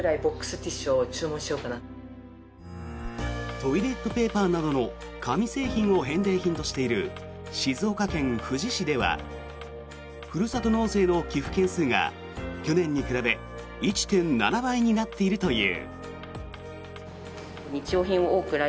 トイレットペーパーなどの紙製品を返礼品としている静岡県富士市ではふるさと納税の寄付件数が去年に比べ１．７倍になっているという。